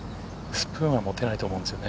スプーンは持てないと思うんですね。